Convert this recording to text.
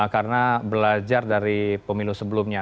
karena belajar dari pemilu sebelumnya